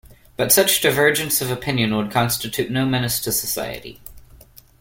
But such divergence of opinion would constitute no menace to society.